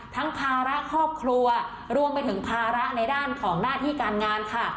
ภาระครอบครัวรวมไปถึงภาระในด้านของหน้าที่การงานค่ะ